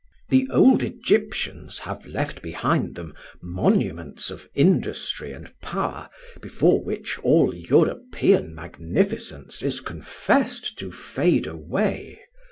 "The old Egyptians have left behind them monuments of industry and power before which all European magnificence is confessed to fade away.